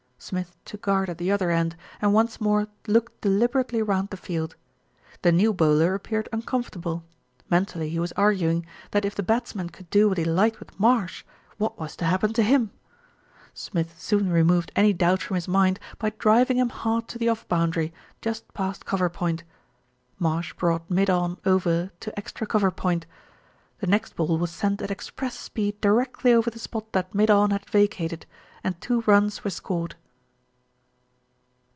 Smith took guard at the other end, and once more looked deliberately round the field. The new bowler appeared uncomfortable. Mentally he was arguing that if the batsman could do what he liked with Marsh, what was to happen to him? Smith soon removed any doubt from his mind by driving him hard to the off boundary, just past cover point. Marsh brought mid on over to extra cover point. The next ball was sent at express speed directly over the spot that mid on had vacated, and two runs were scored.